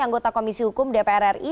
anggota komisi hukum dpr ri